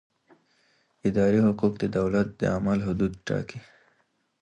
اداري حقوق د دولت د عمل حدود ټاکي.